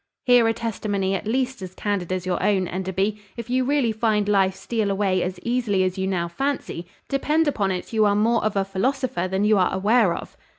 "Hear a testimony at least as candid as your own, Enderby. If you really find life steal away as easily as you now fancy, depend upon it you are more of a philosopher than you are aware of."